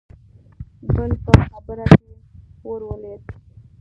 بل په خبره کې ورولوېد: